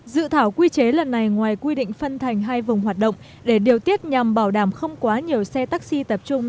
dự thảo quy chế lần này ngoài quy định phân thành hai vùng hoạt động để điều tiết nhằm bảo đảm không quá nhiều xe taxi tập trung